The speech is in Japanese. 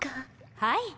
はい。